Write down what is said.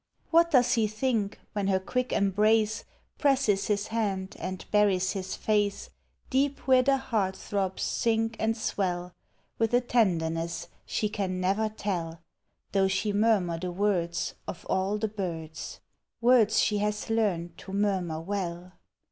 What docs he think when her quick embrace Presses his hand and buries his face Digitized by Google ABOUT CHILDREN. 15 Deep where the heart throbs sink and swell With a tenderness she can never tell, Though she murmur the words Of all the birds Words she has learned to murmur well?